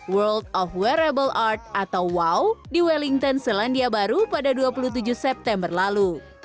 world of wearable art atau wow di wellington selandia baru pada dua puluh tujuh september lalu